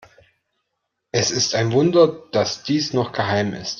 Es ist ein Wunder, dass dies noch geheim ist.